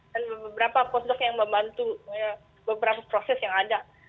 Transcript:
dan beberapa postdoc yang membantu beberapa proses yang ada